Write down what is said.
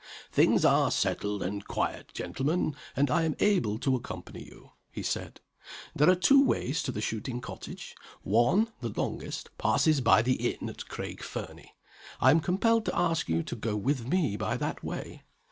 "Things are settled and quiet, gentlemen; and I am able to accompany you," he said. "There are two ways to the shooting cottage. One the longest passes by the inn at Craig Fernie. I am compelled to ask you to go with me by that way.